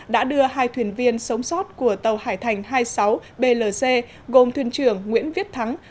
đã đưa hai thuyền viên sống sót của tàu hải thành hai mươi sáu blc gồm thuyền trưởng nguyễn viết thắng